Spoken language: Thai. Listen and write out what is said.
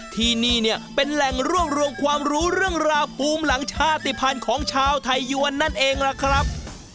ที่นี่เนี่ยเป็นแหล่งรวบรวมความรู้เรื่องราวภูมิหลังชาติภัณฑ์ของชาวไทยยวนนั่นเองล่ะครับ